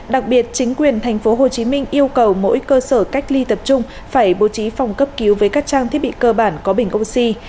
đặc biệt chính quyền tp hcm yêu cầu mỗi cơ sở cách ly tập trung phải bố trí phòng cấp cứu với các trang thiết bị cơ bản có bình oxy